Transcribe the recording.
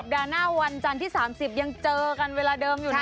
สัปดาห์หน้าวันจานที่๓๐ยังเจอกันเวลาเดิมอยู่นะ